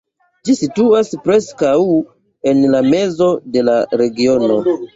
Ĝi situas preskaŭ en la mezo de la regiono.